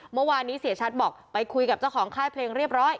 เมื่อวานนี้เสียชัดบอกไปคุยกับเจ้าของค่ายเพลงเรียบร้อย